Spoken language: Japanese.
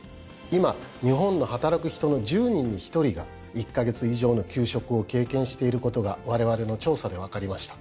今日本の働く人の１０人に１人が１カ月以上の休職を経験していることがわれわれの調査で分かりました。